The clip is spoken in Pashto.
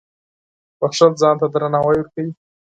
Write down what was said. • بښل ځان ته درناوی ورکوي.